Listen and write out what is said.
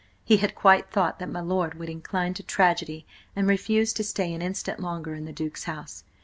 He had quite thought that my lord would incline to tragedy and refuse to stay an instant longer in the Duke's house.